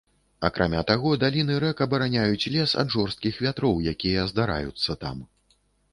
Акрамя таго, даліны рэк абараняюць лес ад жорсткіх вятроў, якія здараюцца там.